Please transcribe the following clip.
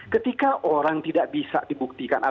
ketika orang tidak bisa dibuktikan